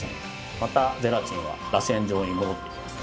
またゼラチンはらせん状に戻ってきます。